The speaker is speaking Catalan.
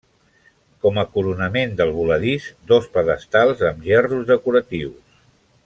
Com a coronament del voladís, dos pedestals amb gerros decoratius.